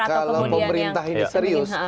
kalau pemerintah ini serius